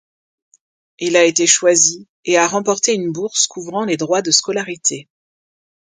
Il a été choisi et a remporté une bourse couvrant les droits de scolarité.